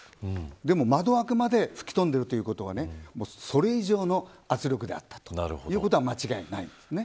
でも窓枠まで吹き飛んでいるということはそれ以上の圧力であったということは間違いないですね。